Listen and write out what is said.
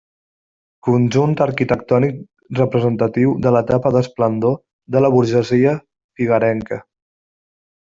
Conjunt arquitectònic representatiu de l'etapa d'esplendor de la burgesia figuerenca.